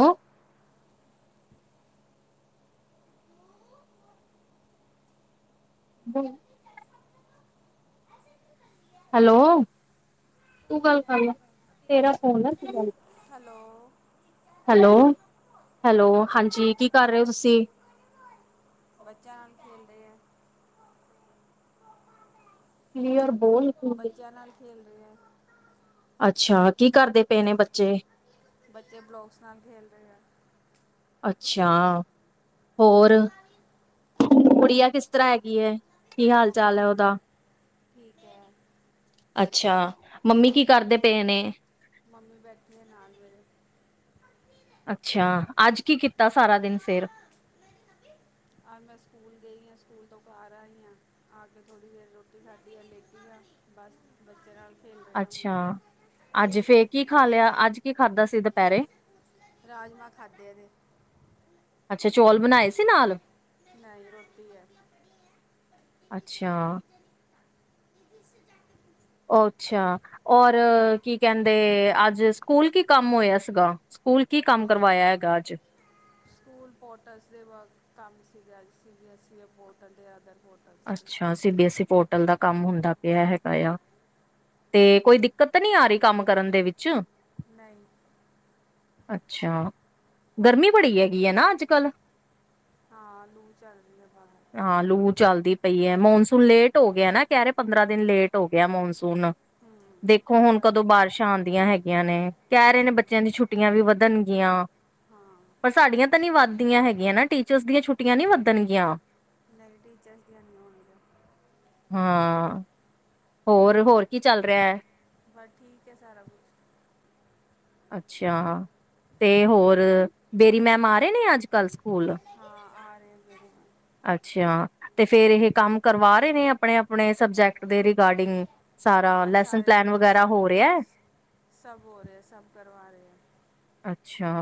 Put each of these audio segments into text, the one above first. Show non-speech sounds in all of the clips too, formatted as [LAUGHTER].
ਓਹ [INAUDIBLE] [UNINTELLIGIBLE] ਹੈਲੋ, ਤੂੰ ਗੱਲ ਕਰ ਲਾ ਤੇਰਾ ਫੋਨ ਆ ਤੂੰ ਗੱਲ ਕ ਹੈਲੋ। ਹੈਲੋ-ਹੈਲੋ, ਹਾਂਜੀ ਕੀ ਕਰ ਰਹੇ ਹੋ ਤੁਸੀਂ? ਬੱਚਿਆਂ ਨਾਲ ਖੇਲਦੇ ਆ। ਕਲੀਅਰ ਬੋਲ ਤੂੰ। ਬੱਚਿਆਂ ਨਾਲ ਖੇਲ ਰਹੇ ਆ। ਅੱਛਾ, ਕੀ ਕਰਦੇ ਪਏ ਨੇ ਬੱਚੇ? ਬੱਚੇ ਬਲੋਕਸ ਨਾਲ ਖੇਲ ਰਹੇ ਆ। ਅੱਛਾ। ਹੋਰ ਗੁੜੀਆ ਕਿਸ ਤਰ੍ਹਾਂ ਹੈਗੀ ਏ? ਉਹ ਬੀ ਠੀਕ ਐ, ਠੀਕ ਐ। ਅੱਛਾ ਮੰਮੀ ਕੀ ਕਰਦੇ ਪਏ ਨੇ? ਮੰਮੀ ਬੈਠੀ ਹੈ ਨਾਲ ਮੇਰੇ। ਅੱਛਾ ਅੱਜ ਕੀ ਕੀਤਾ ਸਾਰਾ ਦਿਨ ਫਿਰ? ਆ ਮੈਂ ਸਕੂਲ ਗਈ ਹਾਂ ਸਕੂਲ ਤੋਂ ਘਰ ਆਈ ਹਾਂ ਆ ਕੇ ਥੋੜ੍ਹੀ ਦੇਰ ਰੋਟੀ ਖਾਧੀ ਆ ਲੇਟੀ ਆ ਬਸ। ਬੱਚੇ ਰਲ ਖੇਲ ਰਹੇ ਆ ਹੁਣ,,, ਅੱਛਾ ਅੱਜ ਦੀਦੀ ਫੇਰ ਕੀ ਖਾ ਲਿਆ ਅੱਜ ਕੀ ਖਾਧਾ ਸੀ ਦੁਪਹਿਰੇ ਰਾਜਮਾਂ ਖਾਧੇ ਅਜੇ ਅੱਛਾ, ਚੌਲ ਬਣਾਏ ਸੀ ਨਾਲ ਨਹੀਂ ਰੋਟੀ ਹੈ ਅੱਛਾ [INAUDIBLE] ਅੱਛਾ ਔਰ, ਕੀ ਕਹਿੰਦੇ, ਅੱਜ ਸਕੂਲ ਕੀ ਕੰਮ ਹੋਇਆ ਸੀਗਾ, ਸਕੂਲ ਕੀ ਕੰਮ ਕਰਵਾਇਆ ਹੈਗਾ ਅੱਜ ਸਕੂਲ ਪੋਟਸ ਦੇ ਕੰਮ ਸੀਗਾ C B S E portal ਤੇ ਅਦਰ ਪੋਟਲ ਅੱਛਾ C B S E portal ਦਾ ਕੰਮ ਹੁੰਦਾ ਪਿਆ ਹੈਗਾ ਆ ਤੇ ਕੋਈ ਦਿੱਕਤ ਤਾਂ ਨਹੀ ਆ ਰਹੀ ਕੰਮ ਕਰਨ ਦੇ ਵਿੱਚ ਨਹੀਂ ਅੱਛਾ, ਗਰਮੀ ਬੜੀ ਹੈਗੀ ਹੈ ਨਾ ਅੱਜ ਕੱਲ੍ਹ ਹਾਂ, ਲੂ ਚੱਲਦੀ ਹੈ ਬਾਹਰ ਹਾਂ, ਲੂ ਚੱਲਦੀ ਪਈ ਹੈ, ਮੌਨਸੂਨ ਲੇਟ ਹੋ ਗਿਆ ਏ ਨਾ, ਕਹਿ ਰਹੇ ਪੰਦਰਾਂ ਦਿਨ ਲੇਟ ਹੋ ਗਿਆ ਮੌਨਸੂਨ ਹੂੰ ਦੇਖੋ, ਹੁਣ ਦਿਨ ਕਦੋਂ ਬਾਰਿਸ਼ਾਂ ਆਉਂਦੀਆਂ ਹੈਗੀਆਂ ਨੇ ਕਹਿ ਰਹੇ ਨੇ ਬੱਚਿਆਂ ਹਾਂ, ਦੀ ਛੁੱਟੀਆਂ ਵੀ ਵੱਧਣ ਯਾਂ ਹਾਂ ਪਰ ਸਾਡੀਆਂ ਤਾਂ ਨਹੀਂ ਵੱਧਦੀਆਂ ਹੈਗੀਆਂ ਨਾ ਟੀਚਰਸ ਦੀਆਂ ਛੁੱਟੀਆਂ ਨੀ ਵੱਧਣਗੀਆਂ ਨਹੀਂ, ਟੀਚਰਜ਼ ਦੀਆਂ ਨਹੀਂ ਹੋਣਗੀਆਂ ਹਾਂ ਹੋਰ, ਹੋਰ ਕੀ ਚੱਲ ਰਿਹੈ ਬਸ, ਠੀਕ ਹੈ ਸਾਰਾ ਕੁ ਅੱਛਾ, ਤੇ ਹੋਰ, ਬੇਰੀ ਮੈਮ ਆ ਰਹੇ ਨੇ, ਅੱਜ ਕੱਲ੍ਹ ਸਕੂਲ ਹਾਂ, ਆ ਰਹੇ ਨੇ ਅੱਛਾ, ਤੇ ਫੇਰ ਇਹ ਕੰਮ ਕਰਵਾ ਰਹੇ ਨੇ ਆਪਣੇ ਆਪਣੇ ਸਬਜੈਕਟ ਦੇ ਰਿਗਾਰਡਿੰਗ, ਸਾਰਾ ਹਾਂ ਲੈਸਨ ਸਾਰੇ ਪਲੈਨ ਟੀਚਰਸ ਵਗੈਰਾ ਕਰ ਹੋ ਰਿਹੈ ਸਭ ਹੋ ਰਿਹਾ ਹੈ, ਸਭ ਕਰਵਾ ਰਹੇ ਅੱਛਾ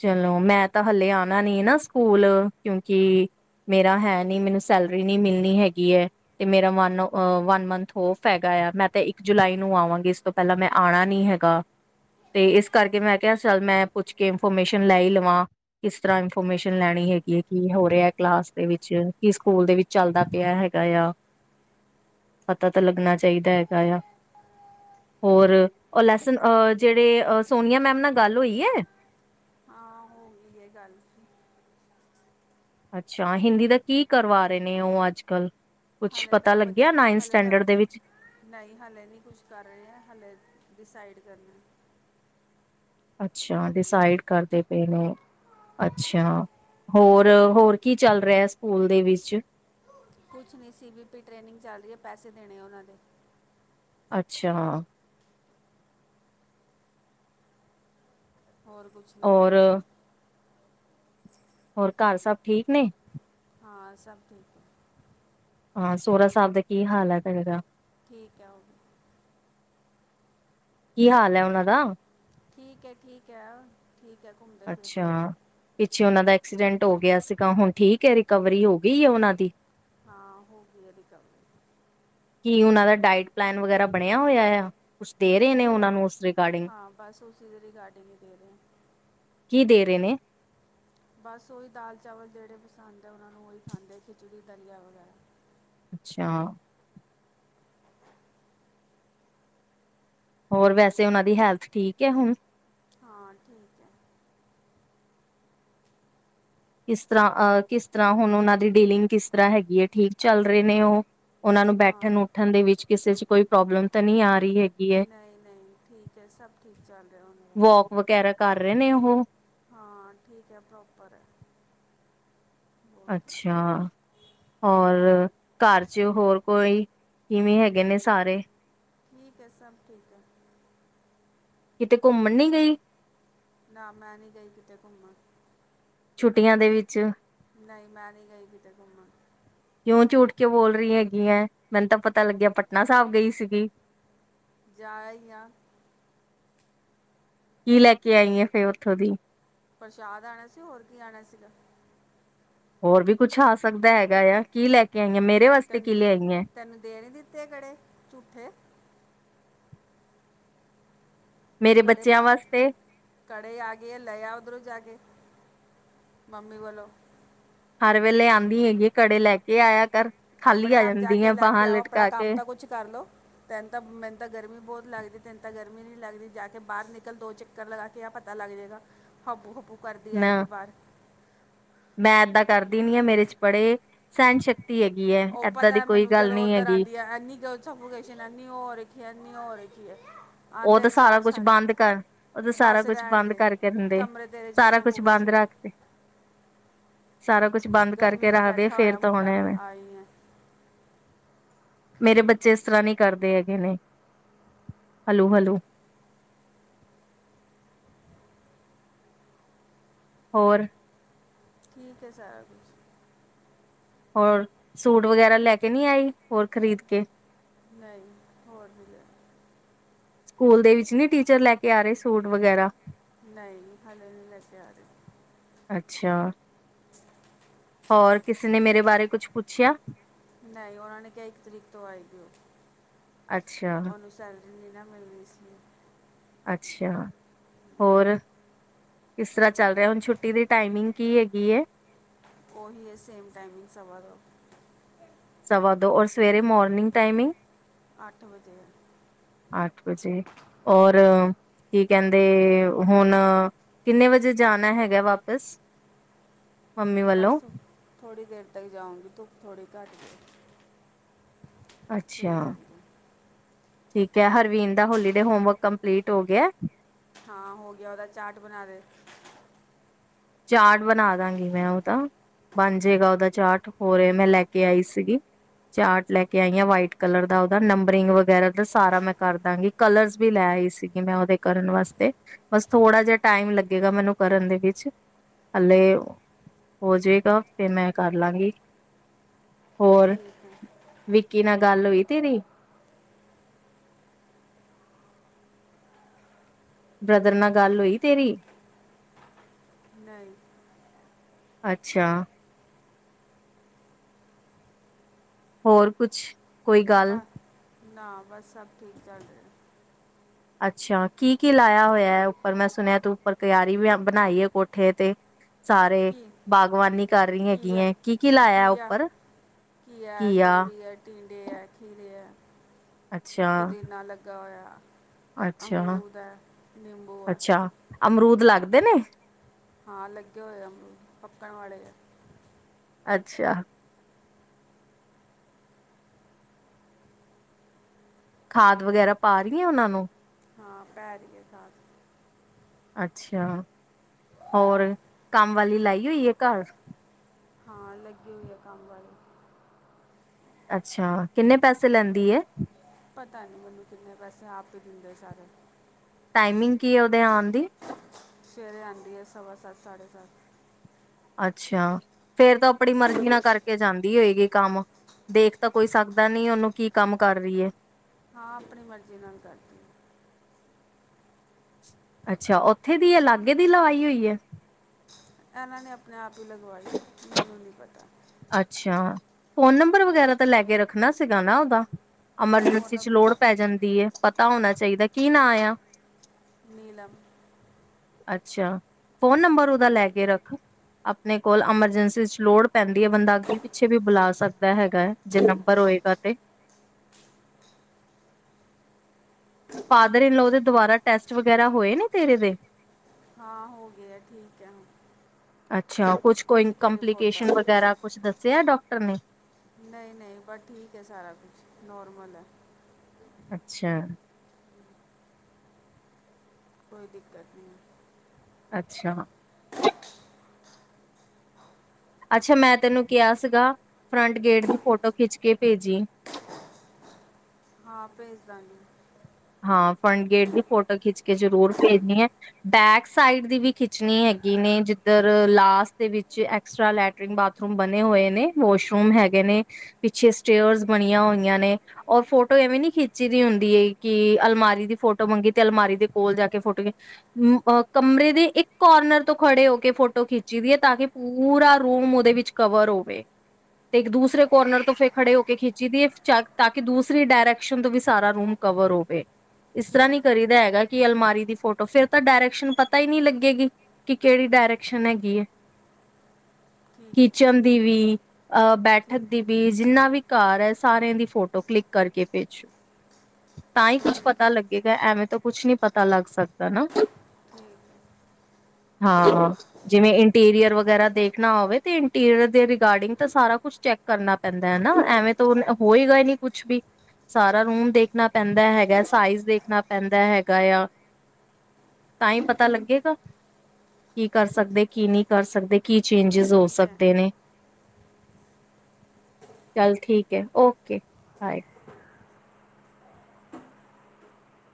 ਚਲੋ, ਮੈਂ ਤਾਂ ਹਲੇੇ ਆਉਣਾ ਨੀ ਨਾ ਸਕੂਲ, ਕਿਉਕਿ ਮੇਰਾ ਹੈ ਨੀ, ਮੈਨੂੰ ਸੈਲਰੀ ਨਹੀ ਮਿਲਣੀ ਹੈਗੀ ਐ। ਤੇ ਮੇਰਾ ਵਨ, ਵਨ ਮੰਥ ਔਫ ਹੈਗਾ ਆ, ਮੈਂ ਤਾਂ ਇੱਕ ਜੁਲਾਈ ਨੂੰ ਆਵਾਂਗੀ ਸ ਪਹਿਲਾਂ ਮੈਂ ਆਉਣਾ ਨੀ ਹੈਗਾ, ਤੇ ਇਸ ਕਰਕੇ ਮੈਂ ਕਿਹਾ, ਸਰ, ਮੈਂ ਪੁੱਛ ਕੇ ਇਨਫੋਰਮੇਸ਼ਨ ਲੈ ਹੀ ਲਵਾਂ ਕਿਸ ਤਰ੍ਹਾਂ ਇਨਫੋਰਮੇਸ਼ਨ ਲੈਣੀ ਹੈਗੀ, ਕੀ ਹੋ ਰਿਹੇ ਕਲਾਸ ਦੇ ਵਿੱਚ, ਕੀ ਸਕੂਲ ਦੇ ਵਿੱਚ ਚੱਲਦਾ ਪਿਆ ਹੈਗਾ ਆ, ਪਤਾ ਤਾਂ ਲੱਗਣਾ ਚਾਹੀਦਾ ਹੈਗਾ ਆ। ਹੋਰ, ਓ ਲੈਸਨ ਅ, ਜਿਹੜੇ ਸੋਨੀਆ ਮੈਮ ਨਾਲ ਗੱਲ ਹੋਈ ਐ ਹਾਂ [UNINTELLIGIBLE] ਗੱਲ ਅੱਛਾ ਹਿੰਦੀ ਦਾ ਕੀ ਕਰਵਾ ਰਹੇ ਨੇ, ਉਹ ਅੱਜ ਕੱਲ ਕੁਛ ਹਲੇ ਪਤਾ ਤਾਂ ਲੱਗਿਆ, ਬੱਚੇ ਨਾਈਨ ਹਲੇ ਤਾਂ ਸਟੈਂਡਰਡ ਦੇ ਵਿੱਚ ਨਹੀਂ ਹਾਲੇ ਨਹੀਂ ਕੁਛ ਕਰ ਰਹੇ ਹੈ, ਹਾਲੇੇ ਡਿਸਾਈਡ ਕਰਨਾ ਅੱਛਾ, ਡਿਸਾਈਡ ਕਰਦੇ ਪਏ ਨੇ ਅੱਛਾ, ਹੋਰ, ਹੋਰ ਕੀ ਚੱਲ ਰਿਹੇ ਸਕੂਲ ਦੇ ਵਿੱਚ ਕੁਛ ਨਹੀਂ ਸੀ, ਵੀ ਪੀ ਟ੍ਰੇਨਿੰਗ ਚੱਲ ਰਹੀ ਹੈ, ਪੈਸੇ ਦੇਣੇ ਉਹਨਾਂ ਦੇ ਅੱਛਾ। ਹੋਰ ਕੁਛ ਨੀ ਹੋ ਔਰ ਰਿਹਾ। ਹੋਰ, ਘਰ ਸਭ ਠੀਕ ਨੇ? ਹਾਂ ਸਭ ਠੀਕ। ਹੈ ਹਾਂ ਸੋਹਰਾ ਸਾਹਿਬ ਦਾ ਕੀ ਹਾਲ ਹੈ ਤੇਰੇ ਦਾ? ਠੀਕ ਹੈ ਉਹ ਵੀ। ਕੀ ਹਾਲ ਹੈ ਉਨਾਂ ਦਾ? ਠੀਕ ਹੈ, ਠੀਕ ਹੈ। ਠੀਕ ਹੈ ਘੁੰਮ। ਅੱਛਾ। ਪਿੱਛੇ ਉਹਨਾਂ ਦਾ ਐਕਸੀਡੈਂਟ ਹੋ ਗਿਆ ਸੀਗਾ ਹੁਣ ਠੀਕ ਹੈ ਰਿਕਵਰੀ ਹੋ ਗਈ ਹੈ ਉਹਨਾਂ ਦੀ? ਹਾਂ ਹੋ ਗਈ ਹੈ ਰਿਕਵਰੀ। ਕੀ ਉਨਾਂ ਦਾ ਡਾਇਟ ਪਲੈਨ ਵਗੈਰਾ ਬਣਿਆ ਹੋਇਆ ਆ? ਕੁਛ ਦੇ ਰਹੇ ਨੇ ਨਹੀਂ ਉਹਨਾਂ ਉਹ, ਨੂੰ ਉਸ ਰਿਗਾਰਡਿੰਗ ਹਾਂ ਬਸ ਉਸੀ ਦੀ ਰਿਗਾਰਡਿੰਗ ਹੀ ਦੇ ਰਹੇ ਹਾਂ। ਕੀ ਦੇ ਰਹੇ ਨੇ? ਬਸ ਉਹੀ ਦਾਲ ਚਾਵਲ ਜਿਹੜੇ ਪਸੰਦ ਹੈ ਉਹਨਾਂ ਨੂੰ ਉਹੀ ਖਾਂਦੇ ਖਿਚੜੀ, ਦਲੀਆ ਵਗੈਰਾ। ਅੱਛਾ। ਹੋਰ ਵੈਸੇ, ਉਹਨਾਂ ਦੀ ਹੈਲਥ ਠੀਕ ਹੈ ਹੁਣ? ਹਾਂ ਠੀਕ। ਹੈ ਕਿਸ ਤਰ੍ਹਾਂ ਕਿਸ ਤਰ੍ਹਾਂ ਹੁਣ ਉਹਨਾਂ ਦੀ ਡੀਲਿੰਗ ਕਿਸ ਤਰ੍ਹਾਂ ਹੈਗੀ ਹੈ ਠੀਕ ਚੱਲ ਰਹੇ ਨੇ ਉਹ। ਉਹਨਾਂ ਨੂੰ ਹਾਂ ਬੈਠਣ ਉੱਠਣ ਦੇ ਵਿੱਚ ਕਿਸੇ ਚ ਕੋਈ ਪ੍ਰੋਬਲਮ ਤਾਂ ਨਹੀਂ ਆ ਰਹੀ ਹੈਗੀ। ਹੈ ਨਹੀਂ, ਨਹੀਂ ਠੀਕ ਹੈ ਸਭ ਠੀਕ ਚੱਲ ਰਿਹਾ ਹੁਣ। ਵੋਕ ਵਗੈਰਾ ਕਰ ਰਹੇ ਨੇ ਉਹ? ਹਾਂ ਠੀਕ ਹੈ ਪ੍ਰੋਪਰ ਹੈ। ਓਕੇ ਅੱਛਾ ਹੋਰ। ਘਰ ਚ ਹੋਰ ਕੋਈ ਕਿਵੇਂ ਹੈਗੇ ਨੇ ਸਾਰੇ? ਠੀਕ ਹੈ, ਸਭ ਠੀਕ ਹੈ। ਕਿਤੇ ਘੁੰਮਣ ਨਹੀ ਗਈ? ਨਾ ਮੈਂ ਨੀ ਗਈ ਕਿਤੇ ਘੁੰਮਣ। ਛੁੱਟੀਆਂ ਦੇ ਵਿੱਚ। ਨਈ, ਮੈਂ ਨਹੀਂ, ਗਈ ਕਿਤੇ ਘੁੰਮਣ। ਕਿਉਂ ਝੂਠ ਕਿਉਂ ਬੋਲ ਰਹੀ ਹੈਗੀ ਹੈ। ਮੈਨੂੰ ਤਾਂ ਪਤਾ ਲੱਗਿਆ ਪਟਨਾ ਸਾਹਿਬ ਗਈ ਸੀਗੀ। ਜਾ ਆਈ ਆ। ਕੀ ਲੈ ਕੇ ਆਈ ਆ ਫਿਰ ਉੱਥੋਂ ਦੀ? ਪ੍ਰਸ਼ਾਦ ਆਉਣਾ ਸੀ ਹੋਰ ਕੀ ਆਉਣਾ ਸੀਗਾ। ਹੋਰ ਵੀ ਕੁੱਛ ਆ ਸਕਦਾ ਹੈਗਾ ਆ ਕੀ ਲੈ ਕੇ ਆਈ ਆਂ ਮੇਰੇ ਵਾਸਤੇ ਤੈਨ ਕੀ ਲੈ ਆਈ ਹੈ? ਤੈਨੂੰ ਦੇ ਨਹੀਂ ਦਿੱਤੇ ਕਿਹੜੇ ਝੂਠੇ। ਮੇਰੇ ਕੜੇ ਬੱਚਿਆਂ ਪਾ। ਵਾਸਤੇ ਕੜੇ ਆ ਗਏ ਆ ਲੇ ਆ ਉੱਧਰੋਂ ਜਾ ਕੇ ਮੰਮੀ ਵੱਲੋਂ। ਹਰ ਵੇਲੇ ਆਉਂਦੀ ਹੈਗੀ ਕੜੇ ਲੈ ਕੇ ਆਇਆ ਕਰ। ਖਾਲੀ ਆਪਣੇ ਆ ਆਪ ਜਾ ਜਾਂਦੀ ਕੇ ਹੈ ਲੈ ਕੇ ਬਾਹਾਂ ਆਓ ਆਪਣਾ ਲਟਕਾ ਕੰਮ ਕੇ ਤਾਂ ਕੁਛ ਕਰ ਲਓ। ਤੈਨੂੰ ਤਾਂ ਮੈਨੂੰ ਗਰਮੀ ਬਹੁਤ ਲੱਗਦੀ ਤੈਨੂੰ ਤਾਂ ਗਰਮੀ ਨੀ ਲੱਗਦੀ ਜਾ ਕੇ ਬਾਹਰ ਨਿਕਲ ਦੋ ਚੱਕਰ ਲਗਾ ਕੇ। ਕਿਆ ਪਤਾ ਲੱਗ ਜਾਵੇਗਾ ਹੱਬੂ ਹੱਬੂ ਕਰਦੀ ਨਾ ਆਏਗੀ ਬਾਹਰ। ਮੈਂ ਇੱਦਾਂ ਕਰਦੀ ਨੀ ਆ ਮੇਰੇ ਚ ਬੜੇ ਸਹਿਣ ਸ਼ਕਤੀ ਹੈਗੀ। ਹੈ ਉਹ ਏਦਾਂ ਦੀ ਪਤਾ ਕੋਈ ਮੈਨੂੰ ਗੱਲ ਜਦੋਂ ਨੀ ਉੱਧਰ ਹੈਗੀ ਆਉਂਦੀ ਹੈ ਐੰਨੀ। ਸਫੋਕੇਸ਼ਨ ਇਨੀ ਹੋ ਰਖੀ ਇਨੀ ਹੋ ਰਖੀ ਹੈ। ਉਹ ਤਾਂ ਆਂਦੇ ਸਾਰਾ ਸਾਰ ਕੁਛ ਸਰ ਬੰਦ ਕਰ ਉਹ ਤਾਂ ਸਾਰਾ ਬਸ ਕੁਛ ਰਹਿਣ ਬੰਦ ਦੇ ਕਰਕੇ ਦਿੰਦੇ। ਕਮਰੇ ਤੇਰੇ ਚ ਵੀ ਸਾਰਾ ਕੁਛ ਬੰਦ ਸਫੋਕੇਸ਼ਨ। ਰੱਖਦੇ ਸਾਰਾ ਕੁਛ ਬੰਦ ਗਰਮੀ ਕਰਕੇ 'ਚ ਰੱਖਦੇ ਆ ਬੈਠਾ ਫੇਰ ਹੋਇਆ ਤਾਂ ਹੁਣ ਮੁੰਡਾ ਐਵੇਂ। ਆਈ ਹੈ ਮੇਰੇ ਬੱਚੇ ਇਸ ਤਰ੍ਹਾਂ ਨੀ ਕਰਦੇ ਹੈਗੇ ਨੇ। Hello, hello. ਹੋਰ? ਠੀਕ, ਹੈ ਸਾਰਾ ਕੁਛ। ਹੋਰ, ਸੂਟ ਵਗੈਰਾ ਲੈ ਕੇ ਨਹੀਂ ਆਈ, ਹੋਰ ਖ਼ਰੀਦ ਕੇ? ਨਹੀਂ, ਹੋਰ ਨਹੀਂ ਲਿਆ। ਸਕੂਲ ਦੇ ਵਿੱਚ ਨਹੀਂ, ਟੀਚਰ ਲੈ ਕੇ ਆ ਰਹੇ ਸੂਟ ਵਗੈਰਾ? ਨਹੀਂ, ਹਲੇ ਨੀ ਲੈ ਕੇ ਆ ਰਹੇ। ਅੱਛਾ। [UNINTELLIGIBLE] ਹੋਰ ਕਿਸੇ, ਨੇ ਮੇਰੇ ਬਾਰੇ ਕੁਛ ਪੁੱਛਿਆ? ਨਹੀਂ, ਉਹਨਾਂ ਨੇ ਕਿਹਾ, ਇੱਕ ਤਰੀਕ ਤੋਂ ਆਈ ਜਾਉ, ਅੱਛਾ ਉਹਨੂੰ ਸੈਲਰੀ, ਨਹੀਂ ਨਾ ਮਿਲ ਨਹੀਂ ਸੀ। ਅੱਛਾ, ਹੋਰ ਕਿਸ ਤਰ੍ਹਾਂ ਚੱਲ ਰਿਹਾ? ਹੁਣ ਛੁੱਟੀ ਦੀ ਟਾਈਮਿੰਗ? ਕੀ ਹੈਗੀ ਏ? ਉਹੀ ਏ, ਸੇਮ ਟਾਈਮਿੰਗ ਸਵਾ ਦੋ। ਸਵਾ ਦੋ, ਔਰ ਸਵੇਰੇ ਮੋਰਨਿੰਗ ਟਾਈਮਿੰਗ? ਅੱਠ ਵਜੇ। ਅੱਠ ਵਜੇ, ਔਰ ਕੀ ਕਹਿੰਦੇ, ਹੁਣ ਕਿੰਨੇ ਵਜੇ ਜਾਣਾ ਹੈਗਾ ਵਾਪਿਸ? [UNINTELLIGIBLE] ਬਸ, ਵੱਲੋਂ ਥੋੜ੍ਹੀ ਦੇਰ ਤੱਕ, ਜਾਊਂਗੀ ਧੁੱਪ ਥੋੜ੍ਹੀ ਘੱਟ ਜਾਏ। ਅੱਛਾ, ਠੀਕ ਐ, ਹਰਵੀਨ ਦਾ ਹੋਲੀ ਡੇ ਹੋਮਵਰਕ ਕੰਪਲੀਟ ਹੋ ਗਿਆ? ਹਾਂ, ਹੋ ਗਿਆ ਉਹਦਾ, ਚਾਰਟ ਬਣਾ ਰਹੇ। ਚਾਰਟ ਬਣਾ, ਦਾਂਗੀ ਮੈਂ ਉਹਦਾ। ਬਣ ਜਾਏਗਾ ਉਹਦਾ ਚਾਰਟ, ਹੋਰ ਮੈਂ ਲੈ ਕੇ ਆਈ ਸੀਗੀ। ਚਾਰਟ ਲੈ ਕੇ ਆਈ ਆ, ਵਾਈਟ ਕਲਰ ਦਾ ਉਹਦਾ, ਨੰਬਰਿੰਗ ਵਗੈਰਾ ਦਾ, ਸਾਰਾ ਮੈਂ ਕਰ ਦਾਂਗੀ। ਕਲਰਸ, ਵੀ ਲੈ ਆਈ ਸੀਗੀ ਮੈਂ, ਉਹਦੇ ਕਰਨ ਵਾਸਤੇ। ਬਸ, ਥੋੜ੍ਹਾ ਜਿਹਾ ਟਾਈਮ ਲੱਗੇਗਾ, ਮੈਨੂੰ ਕਰਨ ਦੇ ਵਿੱਚ। ਹੱਲੇ, ਹੋ ਜੇਗਾ ਫੇਰ ਮੈਂ ਕਰ ਲਾਂਗੀ ਹੋਰ, ਠੀਕ ਹੈ ਵਿੱਕੀ ਨਾਲ ਗੱਲ ਹੋਈ ਤੇਰੀ? ਬ੍ਰਦਰ, ਨਾਲ ਗੱਲ ਹੋਈ ਤੇਰੀ? ਨਹੀਂ। ਅੱਛਾ। ਹੋਰ, ਕੁਛ? ਕੋਈ ਗੱਲ ਬਾ, ਨਾ, ਬਸ ਸਬ ਠੀਕ ਚੱਲ ਰਿਹਾ। ਅੱਛਾ, ਕੀ, ਕੀ ਲਾਇਆ ਹੋਇਆ ਏ ਉੱਪਰ? ਮੈਂ ਸੁਣਿਆ ਤੂੰ ਉੱਪਰ ਕਿਆਰੀ ਵੀ, ਆ ਬਨਾਈ ਏ ਕੋਠੇ ਤੇ। ਸਾਰੇ, ਕੀ ਬਾਗਵਾਨੀ ਕਰ ਰਹੀ ਹੈਗੀ ਘੀਆ ਹੈ, ਕੀ- ਕੀ ਲਾਇਆ ਘੀਆ ਉੱਪਰ? ਘੀਆ, ਤੋਰੀ ਟੀਂਡੇ ਹੈ, ਖੀਰੇ ਹੈ, ਅੱਛਾ ਪੁਦੀਨਾ ਲੱਗਾ ਹੋਇਆ। ਅੱਛਾ ਅਮਰੂਦ ਐ, ਨਿੰਬੂ ਐ ਅੱਛਾ ਅਮਰੂਦ ਲੱਗਦੇ ਨੇ? ਹਾਂ, ਲੱਗੇ ਹੋਏ ਐ ਅਮਰੂਦ, ਪੱਕਣ ਵਾਲੇ ਆ। ਅੱਛਾ। ਖਾਦ, ਵਗੈਰਾ ਪਾ ਰਹੀ ਐਂ ਉਹਨਾਂ ਨੂੰ? ਹਾਂ, ਪੈ ਰਹੀ ਹੈ ਖਾਦ। ਅੱਛਾ, ਹੋਰ ਕੰਮ ਵਾਲੀ, ਲਾਈ ਹੋਈ ਏ ਘਰ? ਹਾਂ, ਲੱਗੀ ਹੋਈ ਹੈ ਕੰਮ ਵਾਲੀ। ਅੱਛਾ, ਕਿੰਨੇ ਪੈਸੇ ਲੈਂਦੀ ਏ? ਪਤਾ, ਨਹੀਂ ਮੈਨੂੰ ਕਿੰਨੇ ਪੈਸੇ, ਆਪ ਹੀ ਦਿੰਦੇ ਸਾਰੇ। ਟਾਈਮਿੰਗ ਕੀ ਹੈ ਉਹਦੇ ਆਣ ਦੀ? ਸਵੇਰੇ ਆਂਦੀ ਹੈ, ਸਵਾ ਸੱਤ, ਸਾਢੇ ਸੱਤ। ਅੱਛਾ, ਫੇਰ ਤਾਂ ਆਪਣੀ ਮਰਜ਼ੀ ਨਾਲ ਕਰਕੇ ਜਾਂਦੀ ਹੋਏਗੀ ਕੰਮ? ਦੇਖ ਤਾਂ ਕੋਈ ਸਕਦਾ ਨੀ ਉਹਨੂੰ ਕੀ ਕੰਮ ਕਰ ਰਹੀ ਏ। ਹਾਂ ਆਪਣੀ ਮਰਜ਼ੀ ਨਾਲ ਕਰਦੀ। ਹੈ। ਅੱਛਾ ਓਥੇ ਦੀ ਐ, ਲਾਗੇ ਦੀ ਲਵਾਈ ਹੋਈ ਐ? ਏਨਾਂ ਨੇ ਅਪਨੇ ਆਪ ਈ, ਲਗਵਾ ਈ ਮੈਨੂੰ ਨੀ ਪਤਾ। ਅੱਛਾ, ਫੋਨ ਨੰਬਰ ਵਗੈਰਾ ਤਾਂ ਲੈ ਕੇ ਰੱਖਣਾ ਸੀਗਾ ਨਾ ਓਦਾਂ। ਅਮਰਜੰਸੀ ਹੁਣ ਚ ਲੋੜ ਪੈ ਜਾਂਦੀ ਏ, ਪਤਾ ਹੋਨਾ ਚਾਈਦਾ ਕੀ ਨਾਂ ਯਾ। ਨੀਲਮ ਅੱਛਾ, ਫੋਨ ਨੰਬਰ ਓਦਾ ਲੈ ਕੇ ਰੱਖ। ਅਪਨੇ ਕੋਲ ਅਮਰਜੰਸੀ ਚ ਲੋੜ ਪੈਂਦੀ ਏ ਬੰਦਾ ਅੱਗੇ-ਪਿੱਛੇ ਵੀ ਬੁਲਾ ਸਕਦਾ ਹੈਗੈ ਐ। ਜੇ ਨੰਬਰ ਹੋਏਗਾ ਤੇ? ਫਾਦਰ ਠੀਕ ਇਨਲੋ ਹੈ ਦੇ ਦੋਬਾਰਾ ਟੈਸਟ ਵਗੈਰਾ ਹੋਏ ਨੇ ਤੇਰੇ ਦੇ? ਹਾਂ ਹੋ ਗਿਆ ਆ ਠੀਕ ਹੈ ਹੁਨ ਅੱਛਾ, ਕੁਛ ਕੋਈ ਕੰਪਲੀਕੇਸ਼ਨ ਵਗੈਰਾ ਕੁਛ ਦੱਸਿਆ ਡੋਕਟਰ ਨੇ ਨਹੀਂ-ਨਹੀਂ ਬਸ ਠੀਕ ਹੈ ਸਾਰਾ ਕੁਛ ਨੋਰਮਲ ਐ। ਅੱਛਾ ਕੋਈ ਦਿੱਕਤ ਨੀ ਅੱਛਾ। ਅੱਛਾ, ਮੈਂ ਤੈਨੂੰ ਕੈਆ ਸੀਗਾ, ਫਰੰਟ ਗੇਟ ਦੀ ਫੋਟੋ ਖਿੱਚ ਕੇ ਪੇਜੀ। ਹਾਂ ਪੇਜ ਦਾ ਗੀ। ਹਾਂ ਫਰੰਟਗੇੇਟ ਦੀ ਫੋਟੋ ਖਿੱਚ ਕੇ ਜ਼ਰੂਰ ਪੇਜਣੀ ਏ। ਬੈਕ ਸਾਈਡ ਦੀ ਵੀ ਖਿੱਚਣੀ ਹੈਗੀ ਨੇ ਜਿੱਧਰ, ਲਾਸਟ ਦੇ ਵਿੱਚ ਐਕਸਟ੍ਰਾ ਲੈ [UNINTELLIGIBLE] ਬਾਤਰੂਮ ਬਨੇ ਹੋਏ ਨੇ, ਵਾਸ਼ਰੂਮ ਹੈਗੇ ਨੇ। ਪਿੱਛੇ ਸਟੇਅਰਸ ਬਨੀਆਂ ਹੋਈਆਂ ਨੇ, ਔਰ ਫੋਟੋ ਐਵੇਂ ਨੀ ਖਿੱਚੀ ਦੀ ਹੁੰਦੀ। ਕੀ, ਅਲਮਾਰੀ ਦੀ ਫੋਟੋ ਮੰਗੀ ਤੇ ਅਲਮਾਰੀ ਦੇ ਕੋਲ ਜਾ ਕੇ ਫੋਟੋ ਅਮ, ਕਮਰੇ ਦੇ ਇੱਕ ਕੋਰਨਰ ਤੋਂ ਖੜੇ ਹੋ ਕੇ ਫੋਟੋ ਖਿੱਚੀ ਦੀ ਏ ਤਾਂ ਕਿ ਪੂਰਾ ਰੂਮ ਓਦੇ ਵਿੱਚ ਕਵਰ ਔਵੇ। ਤੇ ਇੱਕ ਦੂਸਰੇ ਕੋਨਰ ਤੋਂ ਫਿਰ ਖੜੇ ਹੋ ਕੇ ਖਿੱਚੀ ਦੀ ਚ ਤਾਂ ਕਿ ਦੂਸਰੀ ਡਾਇਰੈਕਸ਼ਨ ਤੋਂ ਵੀ ਸਾਰਾ ਰੂਮ ਕਵਰ ਹੋਵੇ, ਇਸ ਤਰ੍ਹਾਂ ਨੀ ਕਰੀਦਾ ਹੈਗਾ। ਕੀ ਅਲਮਾਰੀ ਦੀ ਫੋਟੋ ਫੇਰ ਤਾਂ ਡਾਇਰੈਕਸ਼ਨ ਪਤਾ ਹੀ ਨੀ ਲੱਗੇਗੀ, ਕਿ ਕਿਹੜੀ ਡਾਇਰੈਕਸ਼ਨ ਹੈਗੀ ਏ। ਕਿਚਨ ਦੀ ਵੀ, ਅਹ ਬੈਠਕ ਦੀ ਵੀ। ਜਿੰਨਾ ਵੀ ਘਰ ਏ ਸਾਰਿਆਂ ਦੀ ਫੋਟੋ ਕਲਿੱਕ ਕਰਕੇ ਭੇਜੋ। ਤਾਂ ਹੀ ਕੁੱਛ ਪਤਾ ਲੱਗੇਗਾ ਐਵੇਂ ਤਾਂ ਕੁਛ ਨੀ ਪਤਾ ਲੱਗ ਸਕਦਾ ਨਾ। ਹਾਂ, ਜਿਵੇਂ ਇੰਟੀਰੀਅਰ ਵਗੈਰਾ ਦੇਖਣਾ ਆਵੇ ਤੇ ਇੰਟੀਰੀਅਰ ਦੇ ਰਿਗਾਰਡਿੰਗ ਸਾਰਾ ਕੁਛ ਚੈਕ ਕਰਨਾ ਪੈਂਦਾ ਹਨਾ ਐਵੇਂ ਤੋ ਹੋਏਗਾ ਹੀ ਨੀ ਕੁੱਛ ਵੀ, ਸਾਰਾ ਰੂਮ ਦੇਖ ਦੇਖਣਾ ਪੈਂਦਾ ਹੈਗਾ ਏ ਸਾਈਜ਼ ਦੇਖਣਾ ਪੈਂਦਾ ਹੈਗਾ ਏ। ਤਾਂ ਹੀ ਪਤਾ ਲੱਗੇਗਾ, ਕੀ ਕਰ ਸਕਦੇ ਕੀ ਨਹੀਂ ਕਰ ਸਕਦੇ। ਕੀ ਚੇਂਜਿਸ ਹੋ ਸਕਦੇ ਨੇ, ਚੱਲ ਠੀਕ ਏ ਓਕੇ ਬਾਏ।